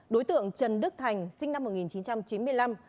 đối tượng trần đức thành sinh năm một nghìn chín trăm chín mươi năm